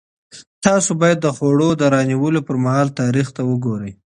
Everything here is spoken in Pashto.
تاسو باید د خوړو د پېرلو پر مهال تاریخ ته وګورئ.